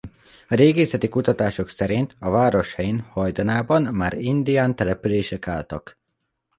Régészeti kutatások szerint a város helyén hajdanában már indián települések álltak.